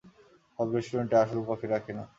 সব রেস্টুরেন্টে আসল কফি রাখে না।